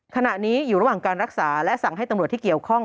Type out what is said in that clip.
ขณะนี้อยู่ระหว่างการรักษาและสั่งให้ตำรวจที่เกี่ยวข้อง